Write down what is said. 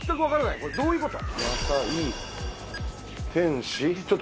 これ、どういうこと？